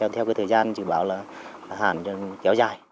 theo thời gian dự báo hạn kéo dài